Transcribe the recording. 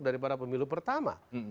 daripada pemilu pertama